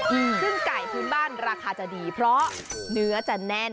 ซึ่งไก่พื้นบ้านราคาจะดีเพราะเนื้อจะแน่น